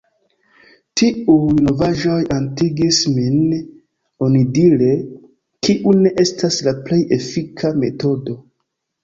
Tiuj novaĵoj atingis min “onidire”, kiu ne estas la plej efika metodo.